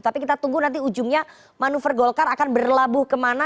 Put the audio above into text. tapi kita tunggu nanti ujungnya manuver golkar akan berlabuh kemana